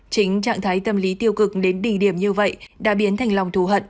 chính trạng thái tâm lý tiêu cực đến đỉnh điểm như vậy đã biến thành lòng thù hận